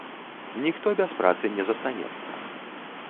Ніхто без працы не застанецца.